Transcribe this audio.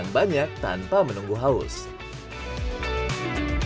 ini adalah sesuatu yang sangat penting untuk kita untuk membuat es yang lebih enak untuk kita untuk